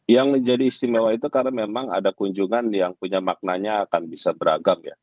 yang menjadi istimewa itu karena memang ada kunjungan yang punya maknanya akan bisa beragam ya